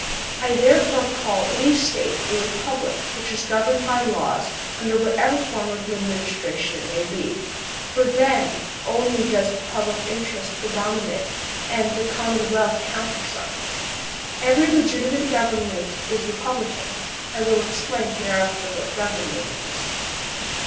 I therefore call any State a republic which is governed THE LAW 33 by laws, under whatever form of administration it may be ; for then only does the public interest predominate and the commonwealth count for something. Every legiti mate government is republican;* I will explain hereafter what government is.